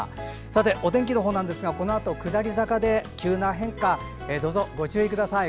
さて、お天気のほうなんですがこのあと、下り坂で急な変化にどうぞご注意ください。